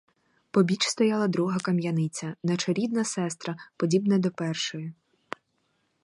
Побіч стояла друга кам'яниця, наче рідна сестра, подібна до першої.